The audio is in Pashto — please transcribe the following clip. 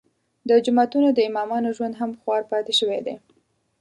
د جوماتونو د امامانو ژوند هم خوار پاتې شوی دی.